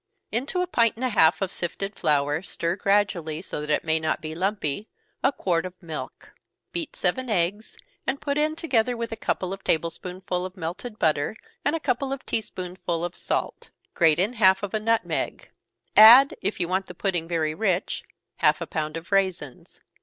_ Into a pint and a half of sifted flour stir gradually, so that it may not be lumpy, a quart of milk. Beat seven eggs, and put in, together with a couple of table spoonsful of melted butter, and a couple of tea spoonsful of salt. Grate in half of a nutmeg add, if you want the pudding very rich, half a pound of raisins.